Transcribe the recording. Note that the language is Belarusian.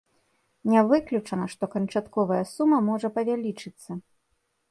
Не выключана, што канчатковая сума можа павялічыцца.